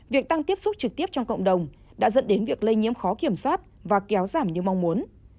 việc tăng tiếp xúc trực tiếp trong cộng đồng đã dẫn đến việc lây nhiễm khó kiểm soát và kéo giảm như mong muốn